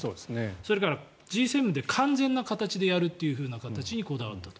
それからＧ７で完全な形でやるということにこだわったと。